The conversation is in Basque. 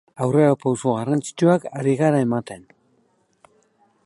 Aurrerapauso garrantzitsuak ari gara ematen.